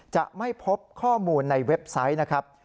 จะไม่พบข้อมูลในเว็บไซต์นะครับ